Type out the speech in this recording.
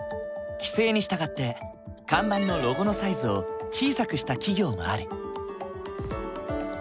規制に従って看板のロゴのサイズを小さくした企業もある。